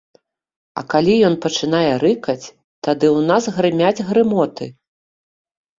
А калі ён пачынае рыкаць, тады ў нас грымяць грымоты.